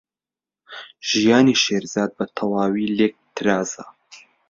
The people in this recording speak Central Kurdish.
ژیانی شێرزاد بەتەواوی لێک ترازا.